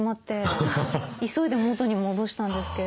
急いで元に戻したんですけれども。